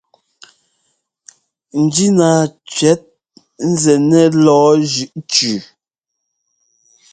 Njínaa cʉ́ɛt nzɛ́ nɛ lɔ̌ɔ jʉʼ cʉʉ.